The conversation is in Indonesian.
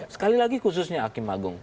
sekali lagi khususnya hakim agung